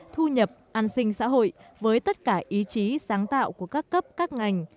thu nhập an sinh xã hội với tất cả ý chí sáng tạo của các cấp các ngành